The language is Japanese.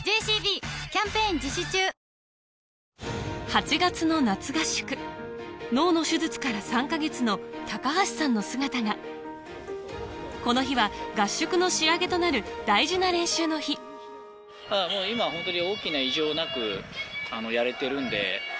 ８月の夏合宿脳の手術から３か月の橋さんの姿がこの日は合宿の仕上げとなる大事な練習の日今ホントに。